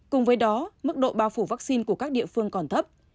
cùng với đó mức độ bao phủ vaccine của các địa phương còn thấp